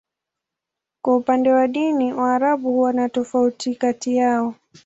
Kwa upande wa dini, Waarabu huwa na tofauti kati yao.